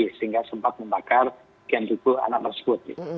sehingga sempat membakar geng gugul anak tersebut